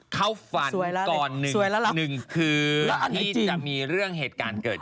เข้าฝันก่อนหนึ่งคือก่อนที่จะมีเรื่องเหตุการณ์เกิดขึ้น